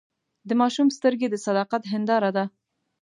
د ماشوم سترګې د صداقت هنداره ده.